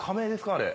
あれ。